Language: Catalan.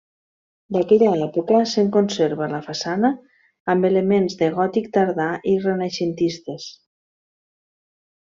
D'aquella època se'n conserva la façana, amb elements de gòtic tardà i renaixentistes.